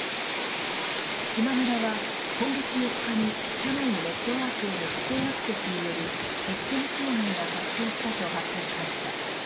しまむらは、今月４日に社内のネットワークへの不正アクセスによるシステム障害が発生したと発表しました。